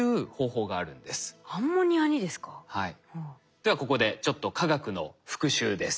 ではここでちょっと化学の復習です。